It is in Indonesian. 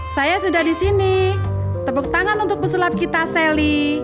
saya sudah disini tepuk tangan untuk pesulap kita sally